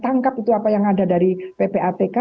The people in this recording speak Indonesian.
tangkap itu apa yang ada dari ppatk